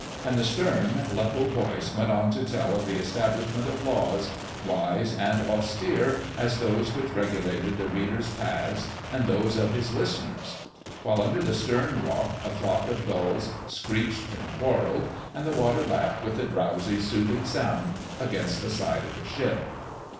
And the stern, level voice went on to tell of the establishment of laws, wise and austere as those which regulated the reader's paths and those of his listeners; while under the stern walk a flock of gulls screeched and quarrelled, and the water lapped with a drowsy, soothing sound against the side of the ship.